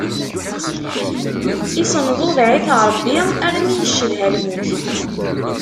Issenḍuḍeɛ-it Ṛebbi armi iccedha lmut.